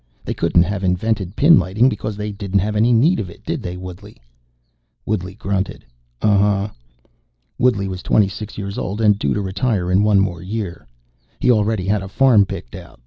They couldn't have invented pinlighting because they didn't have any need of it, did they, Woodley?" Woodley grunted, "Uh huh." Woodley was twenty six years old and due to retire in one more year. He already had a farm picked out.